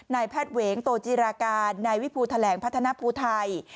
นแพทย์เหวงโตจิราการนวิภูทะแหลงพัฒนภูทัย